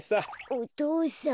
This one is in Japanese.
お父さん。